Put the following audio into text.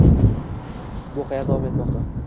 Bu hayot davom etmoqda